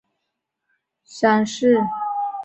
分类基于三级的和一级的结构层面的相似性。